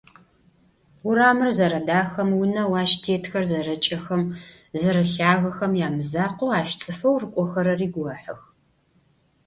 Урамыр зэрэдахэм, унэу ащ тетхэр зэрэкӏэхэм, зэрэлъагэхэм ямызакъоу, ащ цӏыфэу рыкӏохэрэри гохьых.